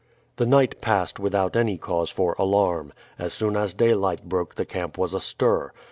The night passed without any cause for alarm. As soon as daylight broke the camp was astir.